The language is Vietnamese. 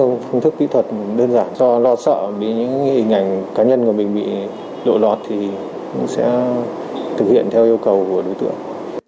các phương thức kỹ thuật đơn giản do lo sợ vì những hình ảnh cá nhân của mình bị lộ lọt thì sẽ thực hiện theo yêu cầu của đối tượng